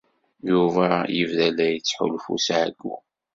Yuba yebda la yettḥulfu s ɛeyyu.